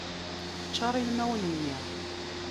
Ččar ilmawen-nni.